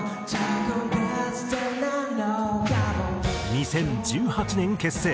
２０１８年結成。